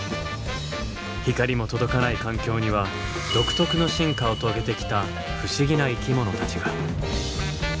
光も届かない環境には独特の進化を遂げてきた不思議な生き物たちが。